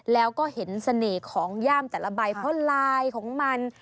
แล้วก็เห็นเสน่ห์ของย่ามแต่ละใบเพราะลายของมัน